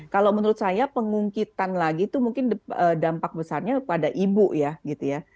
kalau menurut saya pengungkitan lagi itu mungkin dampak besarnya pada ibu ya gitu ya